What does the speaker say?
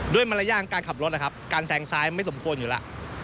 มารยาทการขับรถนะครับการแซงซ้ายไม่สมควรอยู่แล้ว